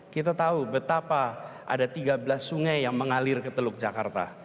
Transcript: kita tahu betapa ada tiga belas sungai yang mengalir ke teluk jakarta